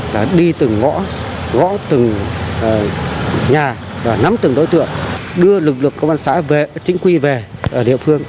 và đi từng ngõ ngõ từng nhà và nắm từng đối tượng đưa lực lượng công an xã chính quy về địa phương